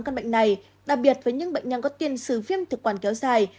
các bệnh này đặc biệt với những bệnh nhân có tiền sử viêm thực quản kéo dài